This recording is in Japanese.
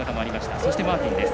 そして、マーティンです。